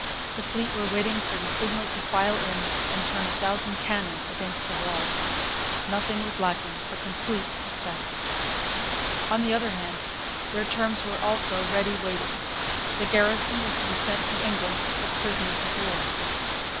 The fleet were waiting for the signal to file in and turn a thousand cannon against the walls. Nothing was lacking for complete success. On the other hand, their terms were also ready waiting. The garrison was to be sent to England as prisoners of war.